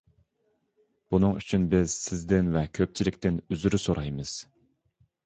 بۇنىڭ ئۈچۈن بىز سىزدىن ۋە كۆپچىلىكتىن ئۆزرە سورايمىز.